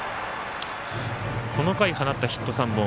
この回、放ったヒット３本。